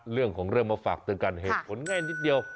เรื่องของเรื่องมาฝากเตือนกันเหตุผลง่ายนิดเดียว